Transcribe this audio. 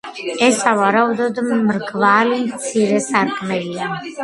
ეს, სავარაუდოდ, მრგვალი მცირე სარკმელია.